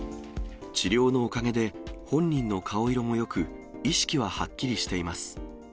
治療のおかげで、本人の顔色もよく、意識ははっきりしています。